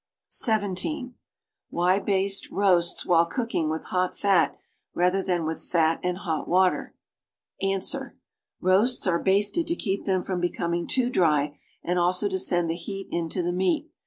(17) AMiy baste roasts while cooking with hot fat rather than with fat and hot water? Ans. Roasts are ))asted to keep them from becoming too dry and also to send the heat into the meat.